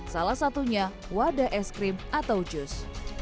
salah satunya wadah es krim atau jus